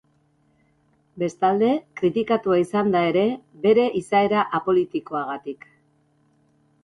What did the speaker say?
Bestalde kritikatua izan da ere, bere izaera apolitikoagatik.